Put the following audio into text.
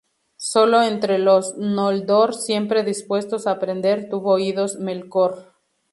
Sólo entre los noldor, siempre dispuestos a aprender, tuvo oídos Melkor.